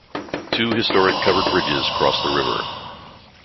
Two historic covered bridges cross the river.